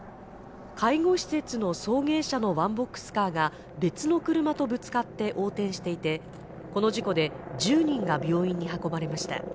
介護施設の送迎車のワンボックスカーが別の車とぶつかって横転していてこの事故で１０人が病院に運ばれました。